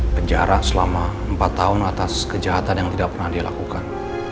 penjara selama empat tahun atas kejahatan yang tidak pernah dilakukan